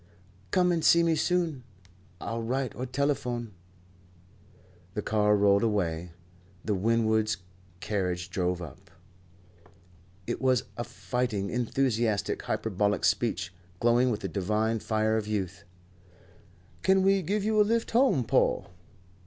"Come and see me soon. I'll write or telephone." The car rolled away. The Winwoods' carriage drove up. It was a fighting, enthusiastic, hyperbolic speech, glowing with the divine fire of youth. "Can we give you a lift home, Paul?"